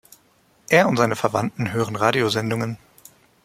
Er und seine Verwandten hören Radiosendungen.